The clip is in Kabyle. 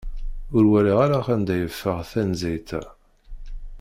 Ur walaɣ ara anda yeffeɣ tanezzayt-a.